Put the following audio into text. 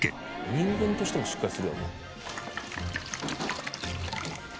人間としてもしっかりするやんな。